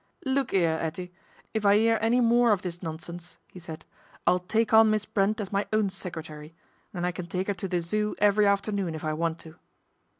" Look 'ere, 'Ettie, if I 'ear any more of this nonsense," he said, " I'll take on Miss Brent as my own secretary, then I can take her to the Zoo every afternoon if I want to."